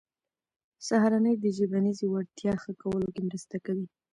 سهارنۍ د ژبنیزې وړتیا ښه کولو کې مرسته کوي.